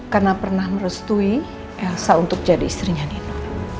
karena pernah merestui elsa untuk jadi istrinya nino